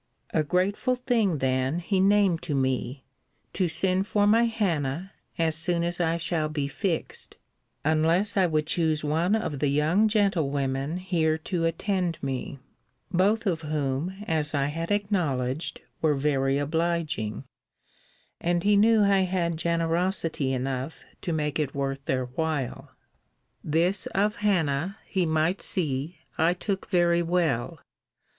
A grateful thing then he named to me To send for my Hannah, as soon as I shall be fixed;* unless I would choose one of the young gentlewomen here to attend me; both of whom, as I had acknowledged, were very obliging; and he knew I had generosity enough to make it worth their while. * See his reasons for proposing Windsor, Letter XXV. and her Hannah, Letter XXVI. This of Hannah, he might see, I took very well.